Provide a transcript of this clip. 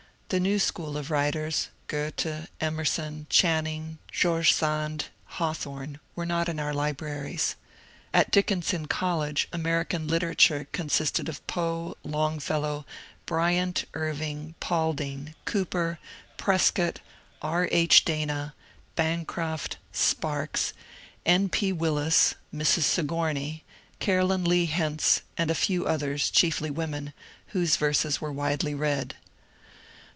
The new school of writers — Goethe, Emerson, Channing, George Sand, Hawthorne — were not in our libraries. At Dickinson College American literature consisted of Poe, Longfellow, Bryant, Irving, Paulding, Cooper, Prescott, R. H. Dana, Buicroft, Sparks, N. P. Willis, Mrs. Sigoumey, Caroline Lee Hentz, and a tew others, chiefly women, whose verses were widely read.